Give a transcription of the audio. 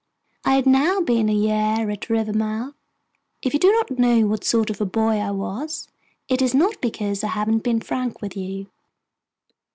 I had now been a year at Rivermouth. If you do not know what sort of boy I was, it is not because I haven't been frank with you.